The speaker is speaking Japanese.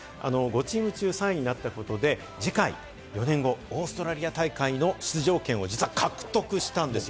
５チーム中３位になったことで、次回は４年後、オーストラリア大会の出場権を実は獲得したんですよ。